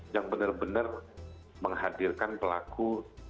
yang benar benar menghadirkan pelaku